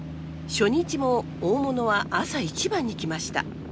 初日も大物は朝一番に来ました。